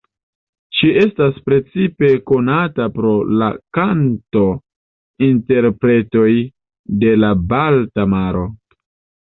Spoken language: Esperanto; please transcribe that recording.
Ŝi estas precipe konata pro la kanto-interpretoj de la Balta Maro.